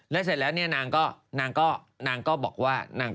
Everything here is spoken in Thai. แล้วเสร็จแล้วนางก็บอกว่า